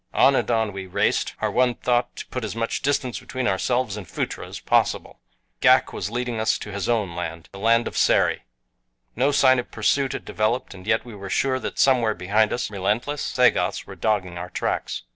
On and on we raced, our one thought to put as much distance between ourselves and Phutra as possible. Ghak was leading us to his own land the land of Sari. No sign of pursuit had developed, and yet we were sure that somewhere behind us relentless Sagoths were dogging our tracks.